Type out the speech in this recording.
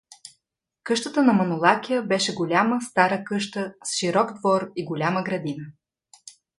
Къщата на Манолакя беше голяма стара къща, с широк двор и голяма градина.